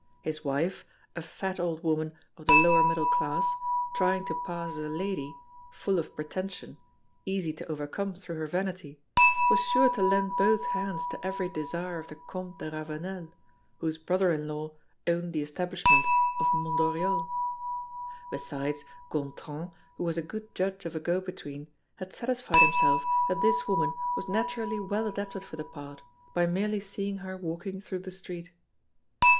His wife, a fat old woman of the lower middle class, trying to pass as a lady, full of pretension, easy to overcome through her vanity, was sure to lend both hands to every desire of the Comte de Ravenel, whose brother in law owned the establishment of Mont Oriol. Besides, Gontran, who was a good judge of a go between, had satisfied himself that this woman was naturally well adapted for the part, by merely seeing her walking through the street.